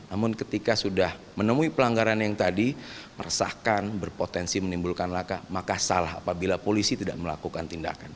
namun ketika sudah menemui pelanggaran yang tadi meresahkan berpotensi menimbulkan laka maka salah apabila polisi tidak melakukan tindakan